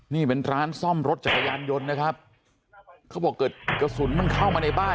นี่เป็นร้านซ่อมรถจักรยานยนต์นะครับเขาบอกเกิดกระสุนมันเข้ามาในบ้าน